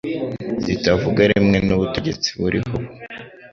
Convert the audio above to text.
zitavuga rumwe n'ubutegetsi buriho ubu